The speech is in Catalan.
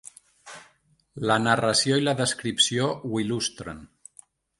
La narració i la descripció ho il·lustren.